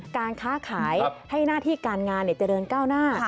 การค้าขายให้หน้าที่การงานเจริญก้าวหน้า